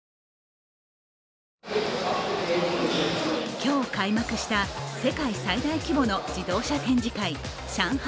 今日、開幕した世界最大規模の自動車展示会、上海